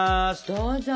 どうぞ！